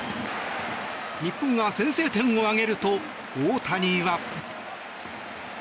日本が先制点を挙げると大谷は。